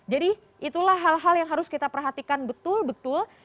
jadi itulah hal hal yang harus kita perhatikan betul betul